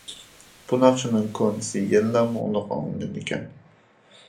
بۇ ناخشىنىڭ كونىسى يەنىلا مۇڭلۇق ئاڭلىنىدىكەن!